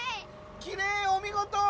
きれいおみごと！